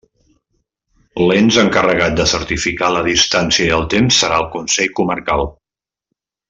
L'ens encarregat de certificar la distància i el temps serà el Consell Comarcal.